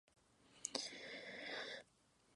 Se forma entre los músculos deltoides y pectoral mayor.